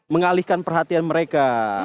mengalihkan perhatian mereka